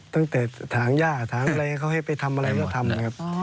ตั้งแต่ถางย่าถางอะไรเขาให้ไปทำอะไรก็ทำนะครับ